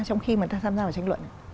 trong khi mà ta tham gia vào tranh luận